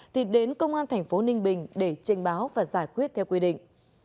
thì đến công an tp ninh bình để trình báo và giải quyết theo quy định